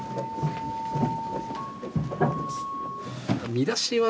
見出しは。